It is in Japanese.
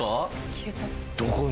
消えた？